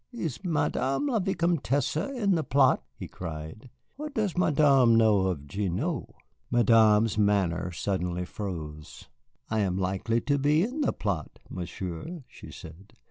is Madame la Vicomtesse in the plot?" he cried. "What does Madame know of Gignoux?" Madame's manner suddenly froze. "I am likely to be in the plot, Monsieur," she said.